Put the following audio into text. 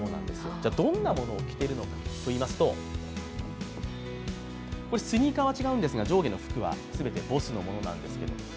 どんなものを着ているのかといいますと、スニーカーは違うんですが、上下の服は全てＢＯＳＳです。